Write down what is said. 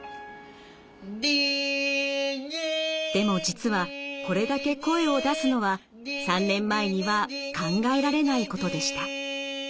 でも実はこれだけ声を出すのは３年前には考えられないことでした。